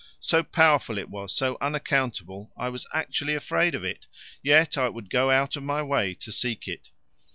So powerful it was, so unaccountable, I was actually afraid of it, yet I would go out of my way to seek it.